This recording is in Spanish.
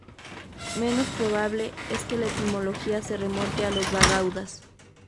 Menos probable es que la etimología se remonte a los bagaudas.